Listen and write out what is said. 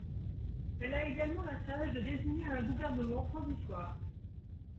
Elle a également la tâche de désigner un gouvernement transitoire.